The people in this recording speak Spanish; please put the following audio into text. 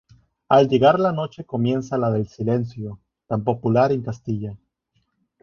Al llegar la noche comienza la del Silencio, tan popular en Castilla.